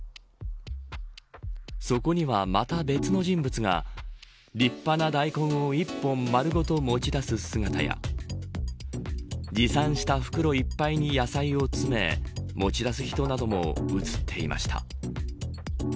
そこには、また別の人物が立派な大根を一本丸ごと持ち出す姿や持参した袋いっぱいに野菜を詰め持ち出す人なども映っていました。